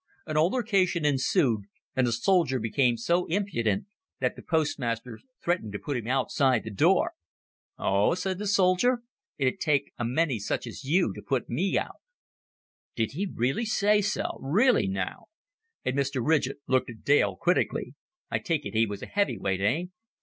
An altercation ensued, and the soldier became so impudent that the postmaster threatened to put him outside the door. "Oh," said the soldier, "it'd take a many such as you to put me out." "Did he say so? Really now!" And Mr. Ridgett looked at Dale critically. "I take it he was a heavyweight, eh?"